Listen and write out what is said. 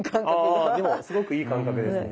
ああでもすごくいい感覚ですね。